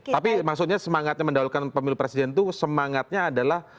tapi maksudnya semangatnya mendahulukan pemilu presiden itu semangatnya adalah